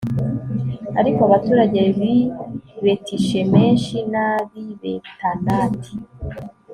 ariko abaturage b'i betishemeshi n'ab'i betanati